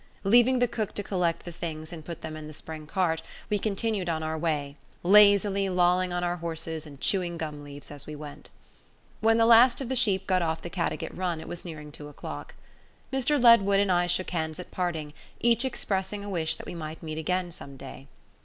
Leaving the cook to collect the things and put them in the spring cart, we continued on our way, lazily lolling on our horses and chewing gum leaves as we went. When the last of the sheep got off the Caddagat run it was nearing two o'clock. Mr Ledwood and I shook hands at parting, each expressing a wish that we might meet again some day.